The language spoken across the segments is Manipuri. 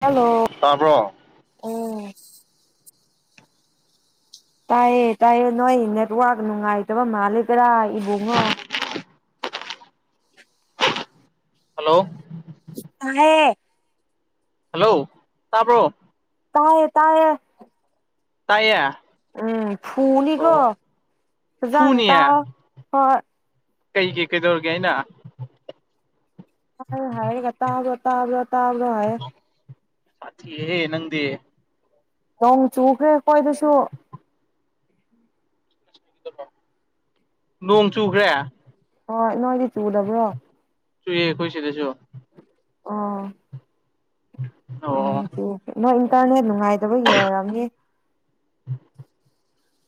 ꯍꯜꯂꯣ ꯇꯥꯕ꯭ꯔꯣ ꯑꯣ ꯇꯥꯏꯌꯦ ꯇꯥꯏꯌꯦ ꯅꯣꯏ ꯅꯦꯠꯋꯥꯛ ꯅꯨꯡꯉꯥꯏꯇꯕ ꯃꯥꯜꯂꯦꯗꯔꯥ ꯏꯕꯨꯡꯉꯣ ꯍꯜꯂꯣ ꯇꯥꯏꯍꯦ ꯍꯜꯂꯣ ꯇꯥꯕ꯭ꯔꯣ ꯇꯥꯏꯌꯦ ꯇꯥꯏꯌꯦ ꯇꯥꯏꯌꯦ ꯎꯝ ꯐꯨꯅꯤꯀꯣ ꯑꯣ ꯐꯖꯅ ꯐꯨꯅꯤꯌꯦ ꯇꯥꯎ ꯍꯣꯏ ꯀꯩꯒꯤ ꯀꯩꯗꯧꯔꯒꯦ ꯑꯩꯅ ꯇꯥꯏ ꯍꯥꯏꯔꯒ ꯇꯥꯕ꯭ꯔꯣ ꯇꯥꯕ꯭ꯔꯣ ꯇꯕ꯭ꯔꯣ ꯍꯥꯏꯌꯦ ꯁꯥꯊꯤꯔꯦꯍꯦ ꯅꯪꯗꯤ ꯅꯣꯡ ꯆꯨꯈ꯭ꯔꯦ ꯑꯩꯈꯣꯏꯗꯁꯨ ꯅꯣꯡ ꯆꯨꯈ꯭ꯔꯦ ꯍꯣꯏ ꯅꯣꯏꯗꯤ ꯆꯨꯗꯕ꯭ꯔꯣ ꯆꯨꯏꯌꯦ ꯑꯩꯈꯣꯏ ꯁꯤꯗꯁꯨ ꯑꯣ ꯅꯣꯡ ꯑꯣ ꯆꯨꯈ꯭ꯔꯦ ꯅꯣꯏ ꯏꯟꯇꯔꯅꯦꯠ ꯅꯨꯡꯉꯥꯏꯇꯕꯒꯤ ꯑꯣꯏꯔꯝꯅꯤ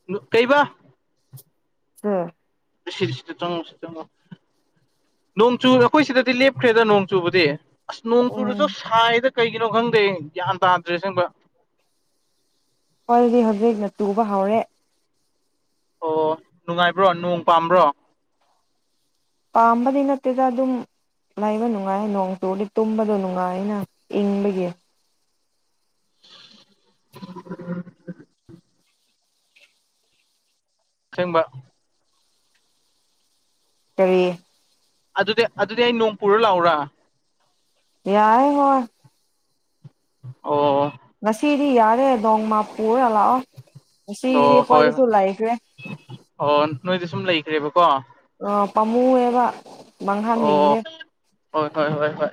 ꯅꯣ ꯀꯩꯕꯥ [unintelligible] ꯁꯤ ꯁꯤꯗ ꯆꯪꯉꯣ ꯁꯤ ꯆꯪꯉꯣ ꯅꯣꯡ ꯆꯨ ꯑꯩꯈꯣꯏ ꯁꯤꯗꯗꯤ ꯂꯦꯞꯈ꯭ꯔꯦꯗ ꯅꯣꯡ ꯆꯨꯕꯗꯤ ꯑꯁ ꯅꯣꯡ ꯎꯝ ꯆꯨꯨꯔꯁꯨ ꯁꯥꯏꯗ ꯀꯩꯒꯤꯅꯣ ꯈꯪꯗꯦ ꯒ꯭ꯌꯥꯟ ꯇꯥꯗ꯭ꯔꯦ ꯑꯁꯦꯡꯕ ꯑꯩꯈꯣꯏꯗꯤ ꯍꯧꯖꯤꯛꯅ ꯆꯨꯕ ꯍꯧꯔꯦ ꯑꯣ ꯅꯨꯡꯉꯥꯏꯕ꯭ꯔꯣ ꯅꯣꯡ ꯄꯥꯝꯕ꯭ꯔꯣ ꯄꯥꯝꯕꯗꯤ ꯅꯠꯇꯦꯗ ꯑꯗꯨꯝ ꯂꯩꯕ ꯅꯨꯡꯉꯥꯏ ꯅꯣꯡ ꯆꯨꯔꯗꯤ ꯇꯨꯝꯕꯗꯣ ꯅꯨꯡꯉꯥꯏꯅ ꯏꯪꯕꯒꯤ [unintelligible] ꯑꯁꯦꯡꯕ ꯀꯔꯤ ꯑꯗꯨꯗꯤ-ꯑꯗꯨꯗꯤ ꯑꯩ ꯅꯣꯡ ꯄꯨꯔ ꯂꯥꯛꯎꯔꯥ ꯌꯥꯏ ꯍꯣꯏ ꯑꯣ ꯉꯁꯤꯗꯤ ꯌꯥꯔꯦ ꯅꯣꯡꯃ ꯄꯨꯔꯥꯒ ꯂꯥꯛꯑꯣ ꯑꯣ ꯉꯁꯤꯒꯤꯗꯤ ꯍꯣꯏ ꯑꯩꯈꯣꯏꯗꯁꯨ ꯂꯩꯈ꯭ꯔꯦ ꯑꯣ ꯅꯣꯏꯗ ꯁꯨꯝ ꯂꯩꯈ꯭ꯔꯦꯕꯀꯣ ꯑ ꯄꯥꯝꯃꯨꯌꯦꯕ ꯑꯣ ꯃꯥꯡꯍꯟꯅꯤꯡꯗꯦ ꯍꯣꯏ ꯍꯣꯏ ꯍꯣꯏ ꯍꯣꯏ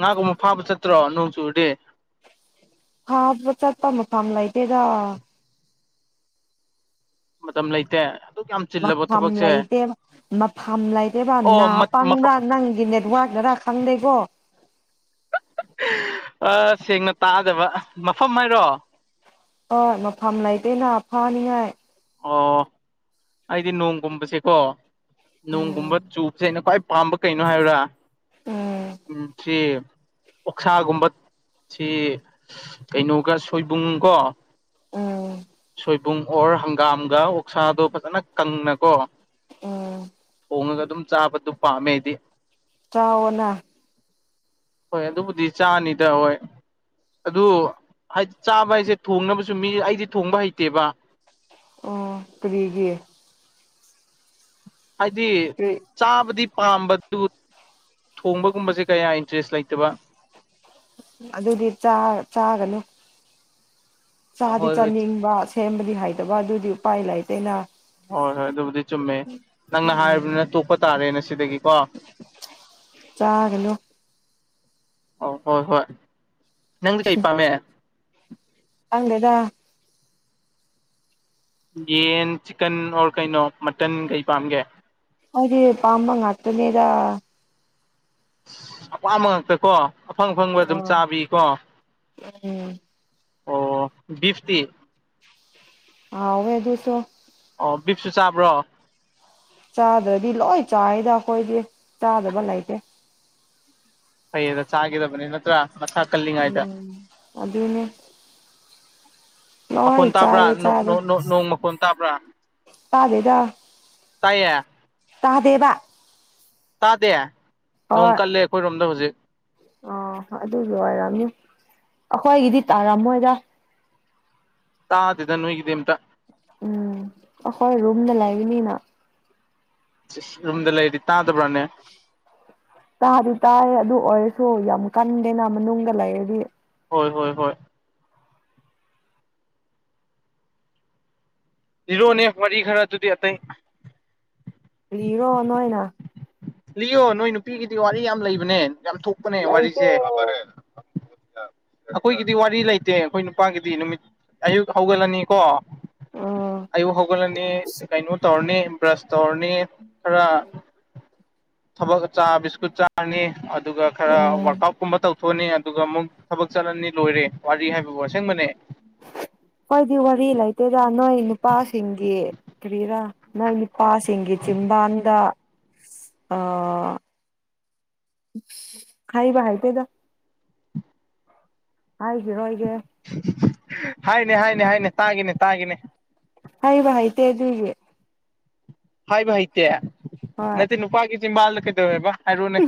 ꯉꯥꯒꯨꯝꯕ ꯐꯥꯕ ꯆꯠꯇ꯭ꯔꯣ ꯅꯣꯡ ꯆꯨꯨꯔꯗꯤ ꯐꯥꯕ ꯆꯠꯄ ꯃꯐꯝ ꯂꯩꯇꯦꯗ ꯃꯇꯝ ꯂꯩꯇꯦ ꯑꯗꯨꯛ ꯌꯥꯝ ꯆꯤꯜꯂꯕ ꯃꯐꯝ ꯊꯕꯛꯁꯦ ꯂꯩꯇꯦꯕ ꯃꯐꯝ ꯂꯩꯇꯦꯕ ꯑꯣ ꯅꯥ ꯄꯪꯕ꯭ꯔꯥ ꯅꯪꯒꯤ ꯅꯦꯠꯋꯥꯔꯛꯅꯔꯥ ꯈꯪꯗꯦꯀꯣ ꯑꯥ ꯁꯦꯡꯅ ꯇꯥꯗꯕ ꯃꯐꯝ ꯍꯥꯏꯔꯣ ꯍꯣꯏ ꯃꯐꯝ ꯂꯩꯇꯦꯅ ꯐꯥꯅꯤꯡꯉꯥꯏ ꯑꯣ ꯑꯩꯗꯤ ꯅꯣꯡꯒꯨꯝꯕꯁꯦꯀꯣ ꯎꯝ ꯅꯣꯡꯒꯨꯝꯕ ꯆꯨꯕꯁꯦ ꯑꯩꯅ ꯈ꯭ꯋꯥꯏ ꯄꯥꯝꯕ ꯀꯩꯅꯣ ꯍꯥꯏꯌꯨꯔꯥ ꯎꯝ [unintelligible] ꯁꯤ ꯑꯣꯛꯁꯥꯒꯨꯝꯕ ꯁꯤ ꯀꯩꯅꯣꯒ ꯁꯣꯏꯕꯨꯝ ꯀꯣ ꯑꯥ ꯁꯣꯏꯕꯨꯝ ꯑꯣꯔ ꯍꯪꯒꯥꯝꯒ ꯑꯣꯛꯁꯥꯗꯣ ꯐꯖꯅ ꯀꯪꯅꯀꯣ ꯎꯝ ꯊꯣꯡꯉꯒ ꯑꯗꯨꯝ ꯆꯥꯕꯗꯨ ꯄꯥꯝꯃꯦ ꯑꯩꯗꯤ ꯆꯥꯑꯣꯅ ꯍꯣꯏ ꯑꯗꯨꯕꯨꯗꯤ ꯆꯥꯅꯤꯗ ꯍꯣꯏ ꯑꯗꯨ ꯍꯥꯏꯗꯤ ꯆꯥꯕ ꯍꯥꯏꯁꯦ ꯊꯣꯡꯅꯕꯁꯨ ꯃꯤ ꯑꯩꯗꯤ ꯊꯣꯡꯕ ꯍꯩꯇꯦꯕ ꯑꯣ ꯀꯔꯤꯒꯤ ꯍꯥꯏꯗꯤ ꯀꯔꯤ ꯆꯥꯕꯗꯤ ꯄꯥꯝꯕꯗꯨ ꯊꯣꯡꯕꯒꯨꯝꯕꯁꯦ ꯀꯌꯥ ꯏꯟꯇꯔꯦꯁ ꯂꯩꯇꯕ ꯑꯗꯨꯗꯤ ꯆꯥ ꯆꯥꯒꯅꯨ ꯆꯥꯗꯤ ꯍꯣꯏ ꯍꯣꯏ ꯆꯥꯅꯤꯡꯕ ꯁꯦꯝꯕꯗꯤ ꯍꯩꯇꯕ ꯑꯗꯨꯗꯤ ꯎꯄꯥꯏ ꯂꯩꯇꯦꯅ ꯍꯣꯏ ꯍꯣꯏ ꯑꯗꯨꯕꯨꯗꯤ ꯆꯨꯝꯃꯦ ꯅꯪꯅ ꯍꯥꯏꯔꯕꯅꯤꯅ ꯇꯣꯛꯄ ꯇꯥꯔꯦ ꯉꯁꯤꯗꯒꯤ ꯀꯣ ꯆꯥꯒꯅꯨ ꯑꯧ ꯍꯣꯏ ꯍꯣꯏ ꯅꯪꯗꯤ ꯀꯩ ꯄꯥꯝꯃꯦ ꯈꯪꯗꯦꯗ ꯌꯦꯟ ꯆꯤꯀꯟ ꯑꯣꯔ ꯀꯩꯅꯣ ꯃꯇꯟ ꯀꯩ ꯄꯥꯝꯒꯦ ꯃꯣꯏꯗꯤ ꯄꯥꯝꯕ ꯉꯥꯛꯇꯅꯤꯗꯥ ꯑꯄꯥꯝꯕ ꯉꯥꯛꯇ ꯀꯣ ꯑꯐꯪ ꯑꯐꯪꯕ ꯑꯗꯨꯝ ꯑꯣ ꯆꯥꯕꯤ ꯀꯣ ꯎꯝ ꯑꯣ ꯕꯤꯐꯇꯤ ꯍꯥꯎꯋꯦ ꯑꯗꯨꯁꯨ ꯑꯣ ꯕꯤꯞꯁꯨ ꯆꯥꯕ꯭ꯔꯣ ꯆꯥꯗ꯭ꯔꯗꯤ ꯂꯣꯏ ꯆꯥꯏꯗ ꯑꯩꯈꯣꯏꯗꯤ ꯆꯥꯗꯕ ꯂꯩꯇꯦ [unintelligible] ꯆꯥꯒꯗꯕꯅꯤ ꯅꯠꯇ꯭ꯔꯥ ꯃꯁꯥ ꯀꯜꯂꯤꯉꯩꯗ ꯎꯝ ꯑꯗꯨꯅꯦ ꯂꯣꯏ ꯃꯈꯣꯟ ꯇꯥꯕ꯭ꯔꯥ ꯆꯥꯏꯌꯦ ꯆꯥꯗꯦ [unintelligible] ꯅꯣꯡ ꯃꯈꯣꯟ ꯇꯥꯕ꯭ꯔꯥ ꯇꯥꯗꯦꯗ ꯇꯥꯏꯌꯦ ꯇꯥꯗꯦꯕ ꯇꯥꯗꯦ ꯅꯣꯡ ꯍꯣꯏ ꯀꯜꯂꯦ ꯑꯩꯈꯣꯏꯔꯣꯝꯗ ꯍꯧꯖꯤꯛ ꯑꯣ ꯑꯗꯨꯗꯣ ꯑꯣꯏꯔꯝꯅꯤ ꯑꯩꯈꯣꯏꯒꯤꯗꯤ ꯇꯥꯔꯝꯃꯣꯏꯗ ꯇꯥꯗꯦꯗ ꯅꯣꯏꯒꯤꯗꯤ ꯑꯝꯇꯥ ꯎꯝ ꯑꯩꯈꯣꯏ ꯔꯨꯝꯗ ꯂꯩꯕꯅꯤꯅ ꯔꯨꯝꯗ ꯂꯩꯔꯗꯤ ꯇꯥꯗꯕ꯭ꯔꯥꯅꯦ ꯇꯥꯗꯤ ꯇꯥꯏ ꯑꯗꯨ ꯑꯣꯏꯔꯁꯨ ꯌꯥꯝ ꯀꯟꯗꯦꯅ ꯃꯅꯨꯡꯗ ꯂꯩꯔꯗꯤ ꯍꯣꯏ ꯍꯣꯏ ꯍꯣꯏ ꯂꯤꯔꯛꯑꯣꯅꯦ ꯋꯥꯔꯤ ꯈꯔꯗꯨꯗꯤ ꯑꯇꯩ ꯀꯔꯤꯅꯣ ꯅꯣꯏꯅ ꯂꯤꯌꯣ ꯅꯣꯏ ꯅꯨꯄꯤꯒꯤꯗꯤ ꯋꯥꯔꯤ ꯌꯥꯝ ꯂꯩꯕꯅꯦ ꯌꯥꯝ ꯊꯣꯛꯄꯅꯦ ꯂꯩꯇꯦ ꯋꯥꯔꯤꯁꯦ ꯑꯩꯈꯣꯏꯒꯤꯗꯤ ꯋꯥꯔꯤ ꯂꯩꯇꯦ ꯑꯩꯈꯣꯏ ꯅꯨꯄꯥꯒꯤꯗꯤ ꯅꯨꯃꯤꯠ ꯑꯌꯨꯛ ꯍꯧꯒꯠꯂꯅꯤꯀꯣ ꯎꯝ ꯑꯌꯨꯛ ꯍꯧꯒꯠꯂꯅꯤ ꯀꯩꯅꯣ ꯇꯧꯔꯅꯤ ꯕ꯭ꯔꯁ ꯇꯧꯔꯅꯤ ꯈꯔ ꯊꯕꯛ ꯆꯥ ꯕꯤꯁꯀꯨꯠ ꯆꯥꯔꯅꯤ ꯑꯗꯨꯒ ꯈꯔ ꯋꯔꯛ ꯎꯝ ꯑꯥꯎꯠ ꯀꯨꯝꯕ ꯇꯧꯊꯣꯛꯑꯅꯤ ꯑꯗꯨꯒ ꯑꯃꯨꯛ ꯊꯕꯛ ꯆꯠꯂꯅꯤ ꯂꯣꯏꯔꯦ ꯋꯥꯔꯤ ꯍꯥꯏꯕꯕꯨ ꯑꯁꯦꯡꯕꯅꯦ ꯈꯣꯢꯗꯤ ꯋꯥꯔꯤ ꯂꯩꯇꯦꯗ ꯅꯣꯏ ꯅꯨꯄꯥꯁꯤꯡꯒꯤ ꯀ꯭ꯔꯤꯔꯥ ꯅꯪ ꯅꯨꯅꯤꯄꯥꯁꯤꯡꯒꯤ ꯆꯤꯝꯕꯥꯟꯗ ꯑ ꯍꯥꯏꯕ ꯍꯥꯏꯇꯦꯗ ꯍꯥꯏꯒꯤꯔꯣꯢ ꯀꯦ ꯍꯥꯏꯅꯦ ꯍꯥꯏꯅꯦ ꯍꯥꯏꯅꯦ ꯇꯥꯒꯦꯅꯦ ꯇꯥꯒꯦꯅꯦ ꯍꯥꯏꯕ ꯍꯩꯇꯦ ꯑꯗꯨꯒꯤ ꯍꯥꯏꯕ ꯍꯩꯇꯦ ꯍꯣꯏ ꯅꯠꯇꯦ ꯅꯨꯄꯥꯒꯤ ꯆꯤꯝꯕꯥꯜꯗ ꯀꯩꯗꯧꯋꯦꯕ ꯍꯥꯏꯔꯣꯅꯦ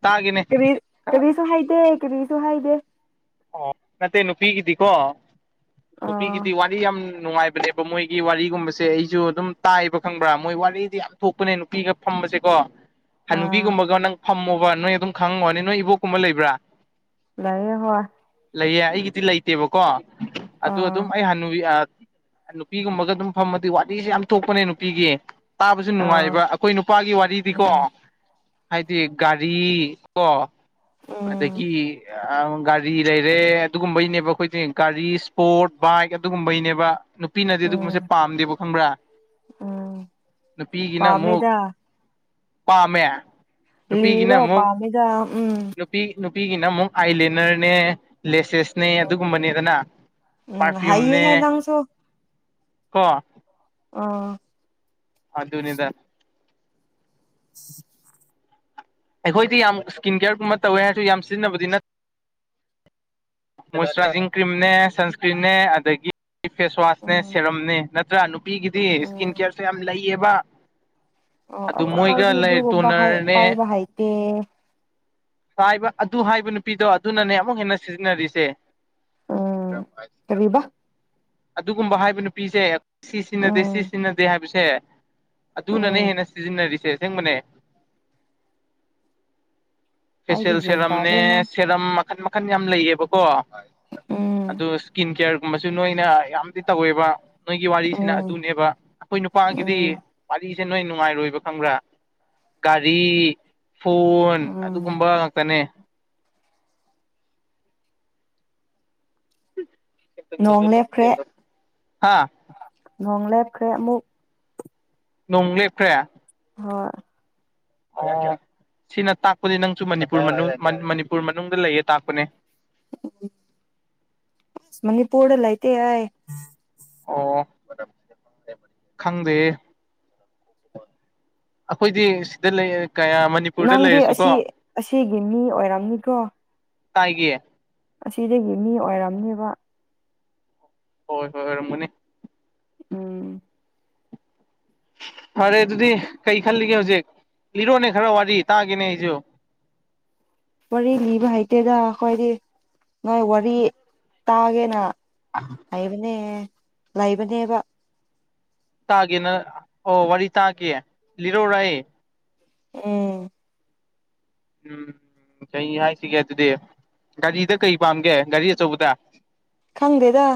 ꯇꯥꯒꯤꯅꯦ ꯀꯔꯤ ꯀꯔꯤꯁꯨ ꯍꯥꯏꯗꯦ ꯀꯔꯤꯁꯨ ꯍꯥꯏꯗꯦ ꯑꯣ ꯅꯠꯇꯦ ꯅꯨꯄꯤꯒꯤꯗꯤꯀꯣ ꯑꯥ ꯅꯨꯄꯤꯒꯤꯗꯤ ꯋꯥꯟ ꯋꯥꯔꯤ ꯌꯥꯝ ꯅꯨꯡꯉꯥꯏꯕꯅꯦꯕ ꯃꯣꯏꯒꯤ ꯋꯥꯔꯤꯒꯨꯝꯕꯁꯦ ꯑꯩꯁꯨ ꯑꯗꯨꯝ ꯇꯥꯏꯕ ꯈꯪꯕ꯭ꯔꯥ ꯃꯣꯏ ꯋꯥꯔꯤꯗꯤ ꯌꯥꯝ ꯊꯣꯛꯄꯅꯦ ꯅꯨꯄꯤꯒ ꯐꯝꯕꯁꯦ ꯀꯣ ꯑꯥ ꯍꯅꯨꯕꯤꯒꯨꯝꯕꯒ ꯅꯪ ꯐꯝꯃꯣꯕ ꯅꯣꯏ ꯑꯗꯨꯝ ꯈꯪꯉꯝꯒꯅꯤ ꯅꯣꯏ ꯏꯕꯣꯛꯒꯨꯝꯕ ꯂꯩꯕ꯭ꯔꯥ ꯂꯩꯌꯦ ꯍꯣꯢ ꯂꯩꯌꯦ ꯑꯩꯒꯤꯗꯤ ꯂꯩꯇꯦꯕꯀꯣ ꯑꯗꯨ ꯑꯥ ꯑꯗꯨꯝ ꯑꯩ ꯍꯥꯟꯅꯨꯕꯤ ꯑꯥ ꯅꯨꯄꯤꯒꯨꯝꯕꯒ ꯑꯗꯨꯝ ꯐꯝꯃꯗꯤ ꯋꯥꯔꯤꯁꯦ ꯌꯥꯝ ꯊꯣꯛꯄꯅꯦ ꯅꯨꯄꯤꯒꯤ ꯇꯥꯕꯁꯨ ꯑꯥ ꯅꯨꯡꯉꯥꯏꯕ ꯑꯩꯈꯣꯏ ꯅꯨꯄꯥꯒꯤ ꯋꯥꯔꯤꯗꯤꯀꯣ ꯎꯝ ꯍꯥꯏꯗꯤ ꯒꯥꯔꯤ ꯀꯣ ꯎꯝ ꯑꯗꯒꯤ ꯑꯥ ꯒꯔꯤ ꯒꯥꯔꯤ ꯂꯩꯔꯦ ꯑꯗꯨꯒꯨꯝꯕꯩꯅꯦꯕ ꯑꯩꯈꯣꯏ ꯒꯥꯔꯤ ꯏꯁꯄꯣꯔꯠ ꯕꯥꯏꯛ ꯑꯗꯨꯒꯨꯝꯕꯩꯅꯦꯕ ꯅꯨꯄꯤꯅꯗꯤ ꯑꯗꯨꯒꯨꯝꯕꯁꯤ ꯎꯝ ꯄꯥꯝꯗꯦꯕ ꯈꯪꯕ꯭ꯔꯥ ꯎꯝ ꯅꯨꯄꯤꯒꯤꯅ ꯑꯃꯨꯛ ꯄꯥꯝꯃꯦꯗ ꯄꯥꯝꯃꯦ ꯅꯨꯄꯤꯒꯤꯅ ꯂꯤꯔꯣ ꯑꯃꯨꯛ ꯄꯥꯝꯃꯦꯗ ꯎꯝ ꯅꯨꯄꯤ ꯅꯨꯄꯤꯒꯤꯅ ꯑꯃꯨꯛ ꯑꯥꯏꯂꯦꯅꯥꯔ ꯅꯦ ꯂꯦꯁꯦꯁꯅꯦ ꯑꯗꯨꯒꯨꯝꯕꯅꯦꯗꯅ ꯎꯝ ꯄꯥꯔꯐꯤꯌꯨꯝꯅꯦ ꯍꯩꯌꯦꯍꯦ ꯅꯪꯁꯨ ꯀꯣ ꯑꯥ ꯑꯗꯨꯅꯤꯗ ꯎꯝ [inaudible] ꯑꯩꯈꯣꯏꯗꯤ ꯌꯥꯝ ꯏꯁꯀꯤꯟ ꯀꯤꯌꯥꯔꯒꯨꯝꯕ ꯇꯧꯋꯦ ꯍꯥꯏꯔꯁꯨ ꯌꯥꯝ ꯁꯤꯖꯤꯟꯅꯕꯗꯤ ꯅꯠꯇꯦ ꯃꯣꯏꯆꯔꯥꯏꯖꯤꯡ ꯀ꯭ꯔꯤꯝꯅꯦ ꯁꯟꯁꯀ꯭ꯔꯤꯟꯅꯦ ꯑꯗꯒꯤ ꯐꯦꯁꯋꯥꯁꯅꯦ ꯎꯝ ꯁꯦꯔꯝꯅꯦ ꯅꯠꯇ꯭ꯔꯥ ꯅꯨꯄꯤꯒꯤꯗꯤ ꯏꯁꯀꯤꯟ ꯎꯝ ꯀꯦꯌꯥꯔꯁꯨ ꯌꯥꯝ ꯂꯩꯌꯦꯕ ꯑꯣ ꯑꯗꯨ ꯑꯁ ꯃꯣꯏꯒ ꯑꯩꯈꯣꯏꯗꯤ ꯂꯩ ꯑꯗꯨꯒꯨꯝꯕ ꯍꯥꯏ ꯇꯣꯟꯅꯥꯔꯅꯦ ꯄꯥꯏꯕ ꯍꯩꯇꯦ ꯍꯥꯏꯕ ꯑꯗꯨ ꯍꯥꯏꯕ ꯅꯨꯄꯤꯗꯣ ꯑꯗꯨꯅꯅꯦ ꯑꯃꯨꯛ ꯍꯦꯟꯅ ꯁꯤꯖꯤꯟꯅꯔꯤꯁꯦ ꯎꯝ ꯀꯔꯤꯕ ꯑꯗꯨꯒꯨꯝꯕ ꯍꯥꯏꯕ ꯅꯨꯄꯤꯁꯦ ꯁꯤ ꯁꯤꯖꯤꯟꯅꯗꯦ ꯁꯤ ꯎꯝ ꯁꯤꯖꯤꯟꯅꯗꯦ ꯍꯥꯏꯕꯁꯦ ꯑꯗꯨꯅꯅꯦ ꯎꯝ ꯍꯦꯟꯅ ꯁꯤꯖꯤꯟꯅꯔꯤꯁꯦ ꯑꯁꯦꯡꯕꯅꯦ ꯑꯩꯗꯤ ꯐꯦꯁꯦꯜ ꯒ꯭ꯌꯥꯟ ꯇꯥꯗꯦ ꯁꯦꯔꯝꯅꯦ ꯅꯪ ꯁꯦꯔꯝ ꯃꯈꯟ ꯃꯈꯟ ꯌꯥꯝ ꯂꯩꯌꯦꯕꯀꯣ ꯎꯝ ꯑꯗꯨ ꯁ꯭ꯀꯤꯟ ꯀꯦꯌꯔ ꯃꯁꯨ ꯅꯣꯏꯅ ꯌꯥꯝꯗꯤ ꯇꯧꯋꯦꯕ ꯅꯣꯏꯒꯤ ꯋꯥꯔꯤꯁꯤꯅ ꯎꯝ ꯑꯗꯨꯅꯦꯕ ꯑꯈꯣꯏ ꯅꯨꯄꯥꯒꯤꯗꯤ ꯎꯝ ꯋꯥꯔꯤꯖꯦ ꯅꯣꯏ ꯅꯨꯡꯉꯥꯏꯔꯣꯏꯕ ꯈꯪꯕ꯭ꯔꯥ ꯒꯥꯔꯤ ꯐꯣꯟ ꯎꯝ ꯑꯗꯨꯒꯨꯝꯕ ꯉꯥꯛꯇꯅꯦ ꯅꯣꯡ ꯂꯦꯞꯈ꯭ꯔꯦ [unintelligible] ꯍꯥ ꯅꯣꯡ ꯂꯦꯞꯈ꯭ꯔꯦ ꯑꯃꯨꯛ ꯅꯣꯡꯂꯦꯞꯈ꯭ꯔꯦ ꯍꯣꯏ ꯑꯣ ꯁꯤꯅ ꯇꯥꯛꯄꯗꯤ ꯅꯪꯁꯨ ꯃꯅꯤꯄꯨꯔ ꯃꯅꯨꯡ ꯃꯅꯤ ꯃꯅꯤꯄꯨꯔ ꯃꯅꯨꯡꯗ ꯂꯩꯌꯦ ꯇꯥꯛꯄꯅꯦ ꯃꯅꯤꯄꯨꯔꯗ ꯂꯩꯇꯦ ꯑꯩ ꯑꯣ ꯈꯪꯗꯦ ꯑꯈꯣꯏꯗꯤ ꯁꯤꯗ ꯂꯩ ꯀꯌꯥ ꯃ ꯅꯪꯗꯤ ꯑꯁꯤ ꯑꯁꯤꯒꯤ ꯃꯤ ꯑꯣꯏꯔꯝꯅꯤꯀꯣ ꯀꯥꯏꯒꯤ ꯑꯁꯤꯗꯒꯤ ꯃꯤ ꯑꯣꯏꯔꯝꯅꯤꯕ ꯍꯣꯏ ꯍꯣꯏ ꯑꯣꯏꯔꯝꯒꯅꯤ ꯎꯝ ꯐꯔꯦ ꯑꯗꯨꯗꯤ ꯀꯩ ꯈꯜꯂꯤꯒꯦ ꯍꯧꯖꯤꯛ ꯂꯤꯔꯛꯑꯣꯅꯦ ꯈꯔ ꯋꯥꯔꯤ ꯇꯥꯒꯦꯅꯦ ꯑꯩꯖꯨ ꯋꯥꯔꯤ ꯂꯤꯕ ꯍꯩꯇꯦꯗ ꯑꯈꯣꯏꯗꯤ ꯅꯣꯏ ꯋꯥꯔꯤ ꯇꯥꯒꯦꯅ ꯑꯥꯍ ꯂꯩꯕꯅꯦ ꯂꯩꯕꯅꯦꯕ ꯇꯥꯒꯦꯅ ꯑꯣ ꯋꯥꯔꯤ ꯇꯥꯒꯦ ꯂꯤꯔꯥꯛꯑꯣꯔꯥ ꯑꯩ ꯎꯝ ꯎꯝ ꯀꯩ ꯍꯥꯏꯁꯤꯒꯦ ꯑꯗꯨꯗꯤ ꯒꯥꯔꯤꯗ ꯀꯩ ꯄꯥꯝꯒꯦ ꯒꯥꯔꯤ ꯑꯆꯧꯕꯗ ꯈꯪꯗꯦꯗ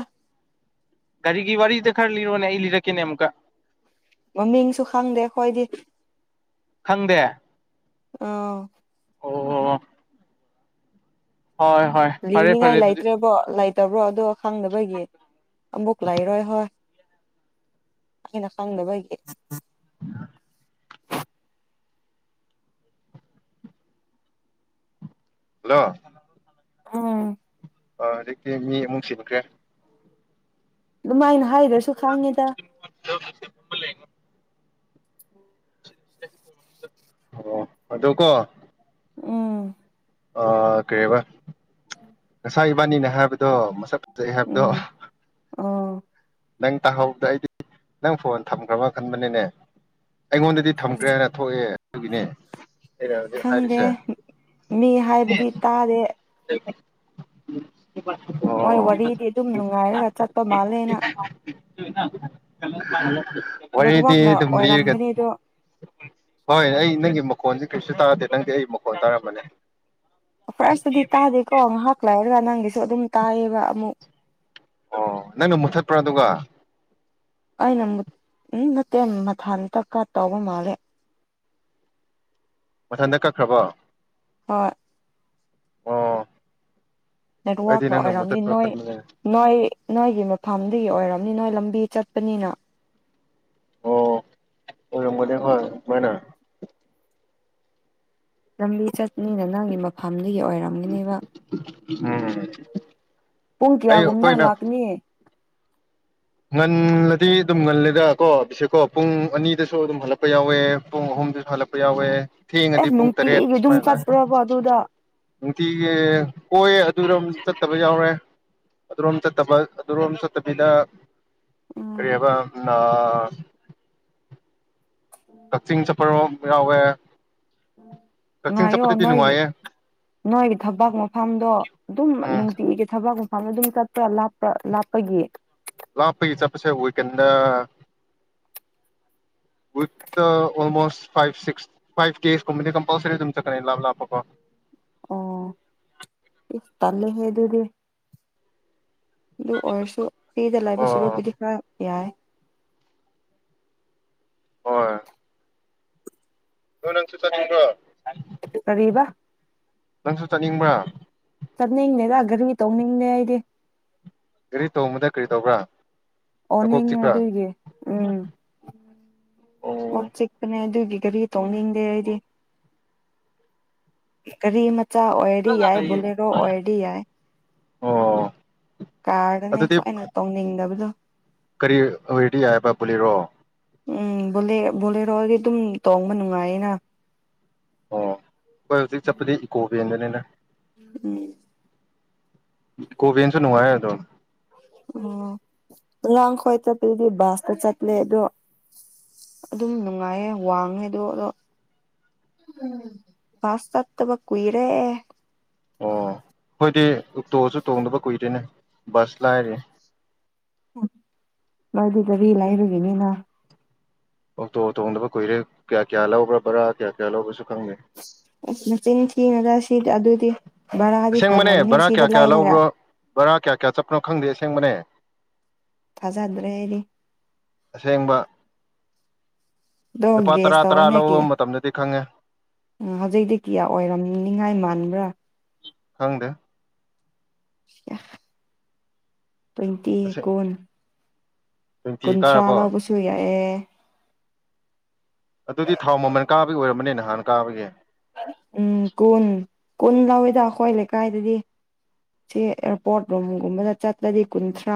ꯒꯥꯔꯤꯒꯤ ꯋꯥꯔꯤꯖꯦ ꯈꯔ ꯂꯤꯔꯣꯅꯦ ꯑꯩ ꯂꯤꯔꯛꯀꯦꯅꯦ ꯑꯃꯨꯛꯀꯥ ꯃꯃꯤꯡꯁꯨ ꯈꯪꯗꯦ ꯑꯈꯣꯏꯗꯤ ꯈꯪꯗꯦ ꯑꯥꯎ ꯑꯣ ꯍꯣꯏ ꯍꯣꯏ ꯐꯔꯦ ꯂꯤꯅꯤꯡꯉꯥꯏ ꯐꯔꯦ ꯑꯗꯨꯗꯤ ꯂꯩꯇ꯭ꯔꯕꯣ ꯂꯩꯇꯕ꯭ꯔꯣ ꯑꯗꯨ ꯈꯪꯗꯕꯒꯤ ꯑꯃꯨꯛ ꯂꯩꯔꯣꯏ ꯍꯣꯏ ꯑꯈꯣꯏꯅ ꯈꯪꯗꯕꯒꯤ [inaudible] ꯍꯜꯂꯣ ꯎꯝ ꯑꯥ ꯍꯧꯖꯤꯛꯇꯤ ꯃꯤ ꯑꯃꯨꯛ ꯁꯤꯟꯈ꯭ꯔꯦ ꯑꯗꯨꯃꯥꯏꯅ ꯍꯥꯏꯗ꯭ꯔꯁꯨ ꯈꯪꯉꯤꯗ [unintelligible] ꯑꯣ ꯑꯗꯣ ꯀꯣ ꯎꯝ ꯑꯥ ꯀꯩꯔꯤꯕ ꯉꯁꯥꯏ ꯏꯕꯥꯅꯤꯅ ꯍꯥꯏꯕꯗꯣ ꯃꯁꯛ ꯐꯖꯩ ꯍꯥꯏꯕꯗꯣ ꯎꯝ ꯑꯣ ꯅꯪ ꯇꯥꯍꯧꯗ ꯑꯩꯗꯤ ꯅꯪ ꯐꯣꯟ ꯊꯝꯈ꯭ꯔꯕ ꯈꯟꯕꯅꯤꯅꯦ ꯑꯩꯉꯣꯟꯗꯗꯤ ꯊꯝꯈ꯭ꯔꯦ ꯍꯥꯏꯅ ꯊꯣꯛꯑꯦ ꯑꯗꯨꯒꯤꯅꯦ ꯑꯩꯅ ꯍꯧꯖꯤꯛ ꯈꯪꯗꯦ ꯍꯥꯏꯔꯤꯁꯦ ꯃꯤ ꯍꯥꯏꯕꯗꯤ ꯇꯥꯗꯦ ꯍ [unintelligible] [inaudible] ꯃꯥꯏ ꯋꯥꯔꯤꯗꯤ ꯑꯗꯨꯝ ꯅꯨꯡꯉꯥꯏꯔꯒ ꯆꯠꯄ ꯃꯥꯜꯂꯦ ꯅꯪ [unintelligible] ꯋꯥꯔꯤꯗꯤ ꯅꯦꯠꯋꯥꯛꯅ ꯑꯗꯨꯝ ꯂꯤꯒ ꯑꯣꯏꯔꯝꯒꯅꯤ ꯑꯗꯣ ꯍꯣꯏ ꯑꯩ ꯅꯪꯒꯤ ꯃꯈꯣꯟꯁꯦ ꯀꯔꯤꯁꯨ ꯇꯥꯗꯦ ꯅꯪꯗꯤ ꯑꯩ ꯃꯈꯣꯟ ꯇꯥꯔꯝꯕꯅꯦ ꯐꯥꯔꯁꯇꯗꯤ ꯇꯥꯗꯦꯀꯣ ꯉꯥꯏꯍꯥꯛ ꯂꯩꯥꯏꯔꯒ ꯅꯪꯒꯤꯁꯨ ꯑꯗꯨꯝ ꯇꯥꯏꯌꯦꯕ ꯑꯃꯨꯛ ꯑꯣ ꯅꯪꯅ ꯃꯨꯠꯊꯠꯄ꯭ꯔꯥ ꯑꯗꯨꯒ ꯑꯩꯅ ꯃꯨꯠ ꯑꯝ ꯅꯠꯇꯦ ꯃꯊꯟꯇ ꯀꯥꯠ ꯇꯧꯕ ꯃꯥꯜꯂꯦ ꯃꯊꯟꯇ ꯀꯛꯈ꯭ꯔꯕꯣ ꯍꯣꯏ ꯑꯣ ꯑꯩꯗꯤ ꯅꯦꯠꯋꯔꯛꯅ ꯅꯪꯅ ꯑꯣꯏꯔꯝꯅꯤ ꯃꯨꯠꯊꯠꯄ꯭ꯔꯥ ꯅꯣꯏ ꯈꯟꯕꯅꯦ ꯅꯣꯏ ꯅꯣꯏꯒꯤ ꯃꯐꯝꯗꯒꯤ ꯑꯣꯏꯔꯝꯅꯤ ꯅꯣꯏ ꯂꯝꯕꯤ ꯆꯠꯄꯅꯤꯅ ꯑꯣ ꯑꯣꯏꯔꯝꯒꯅꯤ [unintelligible] ꯂꯝꯕꯤ ꯆꯠꯄꯅꯤꯅ ꯅꯪꯒꯤ ꯃꯐꯝꯗꯒꯤ ꯑꯣꯏꯔꯝ ꯍꯝ ꯄꯨꯡ ꯀꯌꯥꯒꯨꯝꯕꯗ ꯍꯜꯂꯥꯛꯀꯅꯤ ꯉꯜꯂꯗꯤ ꯑꯗꯨꯝ ꯉꯜꯂꯦꯗꯀꯣ ꯕꯤꯁꯦꯀꯣ ꯄꯨꯡ ꯑꯅꯤꯗꯁꯨ ꯑꯗꯨꯝ ꯍꯜꯂꯛꯄ ꯌꯥꯎꯋꯦ ꯄꯨꯡ ꯑꯍꯨꯝꯗꯁꯨ ꯍꯜꯂꯛ ꯄ ꯌꯥꯎꯋꯦ ꯑꯣ ꯑꯦ ꯊꯦꯡꯉꯗꯤ ꯄꯨꯡ ꯇꯔꯦꯠ ꯅꯨꯡꯇꯤꯒꯤ ꯑꯗꯨꯝ ꯁꯨꯃꯥꯏꯅ ꯂꯥꯛꯑꯦ ꯆꯠꯄ꯭ꯔꯕ ꯑꯗꯨꯗ ꯅꯨꯡꯇꯤꯒꯤ ꯀꯣꯏ ꯑꯗꯨꯔꯣꯝ ꯆꯠꯇꯕ ꯌꯥꯎꯔꯦ ꯑꯗꯨꯔꯣꯝ ꯆꯠꯇꯕ ꯑꯗꯨꯔꯣꯝ ꯆꯠꯇꯕꯤꯗ ꯀꯔꯤ ꯎꯝ ꯍꯥꯏꯕ ꯀꯛꯆꯤꯡ ꯆꯠꯄꯔꯣꯝ ꯌꯥꯎꯋꯦ ꯀꯛꯆꯤꯡ ꯉꯥꯏꯌꯣ ꯆꯠꯄꯗꯗꯤ ꯅꯣꯏꯒꯤ ꯅꯨꯡꯉꯥꯏꯌꯦ ꯅꯣꯏꯒꯤ ꯊꯕꯛ ꯃꯐꯝꯗꯣ ꯑꯗꯨꯝ ꯎꯝ ꯅꯨꯡꯇꯤꯒꯤ ꯊꯕꯛ ꯃꯐꯝ ꯑꯗꯨꯝ ꯆꯠ ꯂꯥꯞꯄ ꯂꯥꯞꯄꯒꯤ ꯂꯞꯄꯒꯤ ꯆꯠꯄꯁꯦ ꯋꯤꯀꯟꯗ ꯋꯤꯛꯇ ꯑꯣꯜꯃꯣꯁ ꯐꯥꯏꯞ ꯁꯤꯛꯁ ꯐꯥꯏꯞ ꯀꯦꯀꯨꯝꯕꯗꯤ ꯀꯝꯄꯜꯁꯔꯤ ꯑꯗꯨꯝ ꯆꯠꯀꯅꯤ ꯂꯥꯞ ꯂꯥꯞꯄ ꯀꯣ ꯑꯣ ꯏꯁ ꯇꯜꯂꯦꯍꯦ ꯑꯗꯨꯗꯤ ꯑꯗꯨ ꯑꯣꯏꯔꯁꯨ ꯐ꯭ꯔꯤꯗ ꯂꯩꯕ ꯑꯣ ꯁꯔꯨꯛꯕꯨꯗꯤ ꯈꯔ ꯌꯥꯏ ꯍꯣꯏ ꯗꯣ ꯅꯪꯁꯨ ꯆꯠꯅꯤꯡꯕ꯭ꯔꯣ ꯀꯔꯤꯕ ꯅꯪꯁꯨ ꯆꯠꯅꯤꯡꯕ꯭ꯔꯥ ꯆꯠꯅꯤꯡꯗꯦꯗ ꯒꯥꯔꯤ ꯇꯧꯅꯤꯡꯗꯦ ꯑꯩꯗꯤ ꯒꯥꯔꯤ ꯇꯣꯡꯕꯗ ꯀꯔꯤ ꯇꯧꯕ꯭ꯔꯥ ꯅꯀꯣꯛ ꯑꯣꯅꯤꯡꯉꯦ ꯆꯤꯛꯄ꯭ꯔꯥ ꯑꯗꯨꯒꯤ ꯎꯝ ꯀꯣꯛ ꯑꯣ ꯆꯤꯛ ꯑꯗꯨꯒꯤ ꯒꯥꯔꯤ ꯇꯧꯅꯤꯡꯗꯦ ꯑꯩꯗꯤ ꯒꯥꯔꯤ ꯃꯆꯥ ꯑꯣꯏꯔꯗꯤ ꯌꯥꯏ ꯕꯣꯂꯦꯔꯣ ꯑꯣꯏꯔꯗꯤ ꯌꯥꯏ ꯑꯣ ꯀꯥꯔꯗꯅꯦꯀꯣ ꯑꯗꯨꯗꯤ ꯑꯩꯅ ꯇꯧꯅꯤꯡꯗꯕꯗꯣ ꯀꯔꯤ ꯑꯣꯏꯔꯗꯤ ꯌꯥꯏꯌꯦꯕ ꯕꯣꯂꯦꯔꯣ ꯎꯝ ꯕꯣꯂꯦꯔꯣꯗꯤ ꯑꯗꯨꯝ ꯇꯣꯡꯕ ꯅꯨꯡꯉꯥꯏꯌꯦꯅ ꯑꯣ ꯑꯩꯈꯣꯏ ꯍꯧꯖꯤꯛ ꯆꯠꯄꯗꯤ ꯏꯀꯣ ꯚꯦꯟꯗꯅꯤꯅ ꯎꯝ ꯀꯣꯚꯦꯟꯁꯨ ꯅꯨꯡꯉꯥꯏ ꯑꯗꯣ ꯎꯝ ꯂꯥꯡ ꯈ꯭ꯋꯥꯏ ꯆꯠꯄꯗꯨꯗꯤ ꯕꯥꯁꯇ ꯆꯠꯂꯦ ꯑꯗꯣ ꯑꯗꯨꯝ ꯅꯨꯡꯉꯥꯏꯌꯦ ꯋꯥꯡꯉꯦ ꯑꯗꯣ ꯑꯗꯣ ꯎꯝ ꯄꯥꯁ ꯇꯠ ꯇꯕꯥ ꯀꯨꯏꯔꯦ ꯑꯣ ꯈꯣꯏꯗꯤ ꯑꯣꯛꯇꯣꯁꯨ ꯇꯣꯡꯗꯕ ꯀꯨꯏꯗꯣꯏꯦꯅꯦ ꯕꯁ ꯂꯥꯏꯔꯤ ꯎꯝ ꯃꯥꯗꯨ ꯒꯔꯤ ꯂꯩꯕꯒꯤꯅꯤꯅ ꯑꯣꯛꯇꯣ ꯇꯣꯡꯗꯕ ꯀꯨꯏꯔꯦ ꯀꯌꯥ ꯀꯌꯥ ꯂꯧꯕ꯭ꯔꯥ ꯕꯔꯥ ꯀꯌꯥ ꯀꯌꯥ ꯂꯧꯕꯁꯨ ꯈꯪꯗꯦ ꯃꯆꯤꯟ ꯊꯤꯅꯨꯗ ꯁꯤ ꯑꯗꯨꯗꯤ ꯚꯔꯥꯗꯤ ꯑꯁꯦꯡꯕꯅꯦ ꯈꯪꯈ꯭ꯔꯅꯤ ꯕꯔꯥ ꯁꯤꯗ ꯀꯌꯥ ꯀꯌꯥ ꯂꯥꯏꯔꯒ ꯂꯧꯕ꯭ꯔꯣ ꯕꯔꯥ ꯀꯌꯥ ꯀꯌꯥ ꯆꯞꯄꯅꯣ ꯈꯪꯗꯦ ꯑꯁꯦꯡꯕꯅꯦ ꯊꯥꯖꯗ꯭ꯔꯦ ꯑꯩꯗꯤ ꯑꯁꯦꯡꯕ ꯑꯗꯣ ꯂꯨꯄꯥ ꯒꯦꯁ ꯇꯔꯥ ꯇꯔꯥ ꯇꯧꯑꯣꯅꯦ ꯂꯧꯕ ꯀꯌꯥ ꯃꯇꯝꯗꯗꯤ ꯈꯪꯉꯦ ꯍꯧꯖꯤꯛꯇꯤ ꯀꯌꯥ ꯑꯣꯏꯔꯝꯅꯤꯉꯥꯏ ꯃꯥꯟꯕ꯭ꯔꯥ ꯈꯪꯗꯦ ꯇ꯭ꯋꯦꯟꯇꯤ ꯑꯁꯦꯡ ꯀꯨꯟ ꯇ꯭ꯋꯦꯟꯇꯤ ꯀꯨꯟꯊ꯭ꯔꯥ ꯀꯥꯔꯕꯣ ꯂꯧꯕꯁꯨ ꯌꯥꯏꯌꯦ ꯑꯗꯨꯗꯤ ꯊꯥꯎ ꯃꯃꯜ ꯀꯥꯕꯒꯤ ꯑꯣꯏꯔꯝꯕꯅꯦ ꯅꯍꯥꯟ ꯀꯥꯕꯒꯤ ꯎꯝ ꯀꯨꯟ ꯀꯨꯟ ꯂꯧꯋꯦꯗ ꯑꯩꯈꯣꯏ ꯂꯩꯀꯥꯏꯗꯗꯤ ꯁꯤ ꯑꯦꯔꯄꯣꯔꯠ ꯔꯨꯝꯒꯨꯝꯕꯗ ꯆꯠꯇ꯭ꯔꯗꯤ ꯀꯨꯟꯊ꯭ꯔꯥ